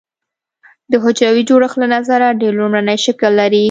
د حجروي جوړښت له نظره ډېر لومړنی شکل لري.